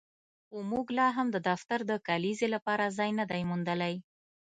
خو موږ لاهم د دفتر د کلیزې لپاره ځای نه دی موندلی